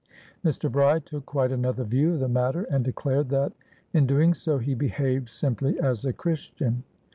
Mr. Bride took quite another view of the matter, and declared that, in doing so, he behaved simply as a Christian.